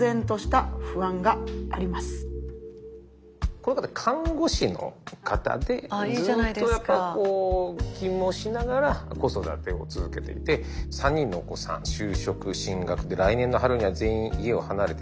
この方看護師の方でずっと勤務をしながら子育てを続けていて３人のお子さん就職進学で来年の春には全員家を離れてしまって。